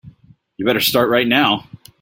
You'd better start right now.